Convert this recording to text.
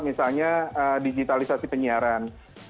misalnya digitalisasi penyiaran